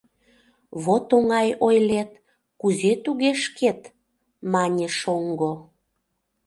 — Вот оҥай ойлет, кузе туге шкет? — мане шоҥго.